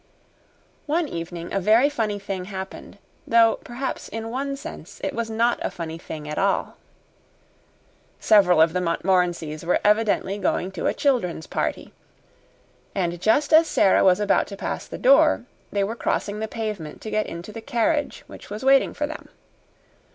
One evening a very funny thing happened though, perhaps, in one sense it was not a funny thing at all. Several of the Montmorencys were evidently going to a children's party, and just as Sara was about to pass the door they were crossing the pavement to get into the carriage which was waiting for them.